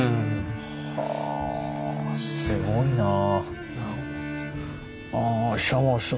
はぁすごいなあ。